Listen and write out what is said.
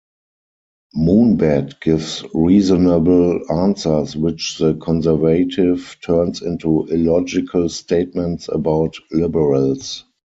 Moonbat gives reasonable answers, which the Conservative turns into illogical statements about liberals.